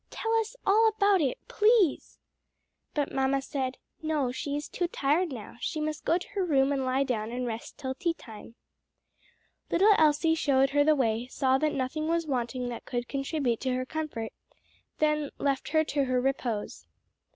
"Tell us all about it, please." But mamma said, "No, she is too tired now; she must go to her room and lie down and rest till tea time." Little Elsie showed her the way, saw that nothing was wanting that could contribute to her comfort, then left her to her repose.